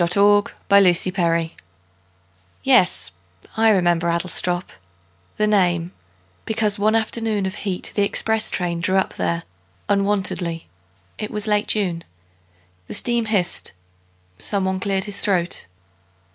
Edward Thomas Adlestrop YES, I remember Adlestrop The name because one afternoon Of heat the express train drew up there Unwontedly. It was late June. The steam hissed. Someone cleared his throat.